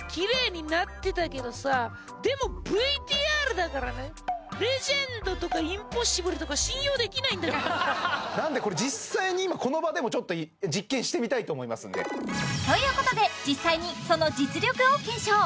確かにレジェンドとかインポッシブルとか信用できないんだけどなんでこれ実際に今この場でもちょっと実験してみたいと思いますんでということで実際にその実力を検証